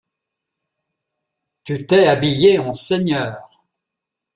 Tu t’es habillé en seigneur.